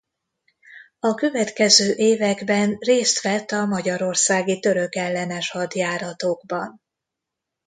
A következő években részt vett a magyarországi törökellenes hadjáratokban.